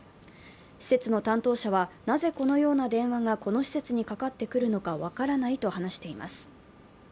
施設の担当者は、なぜこのような電話がこの施設にかかってくるのか分からないと話しています。